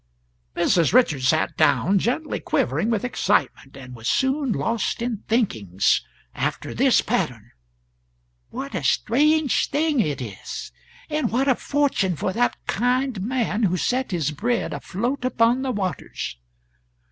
Mrs. Richards sat down, gently quivering with excitement, and was soon lost in thinkings after this pattern: "What a strange thing it is! ... And what a fortune for that kind man who set his bread afloat upon the waters!